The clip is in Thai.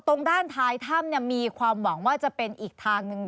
ตรงด้านท้ายถ้ำมีความหวังว่าจะเป็นอีกทางหนึ่ง